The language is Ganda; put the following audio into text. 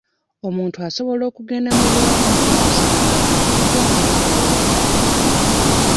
Omuntu asobola okugenda mu buwanganguse ng'akakiddwa oba nga yeeyagalidde.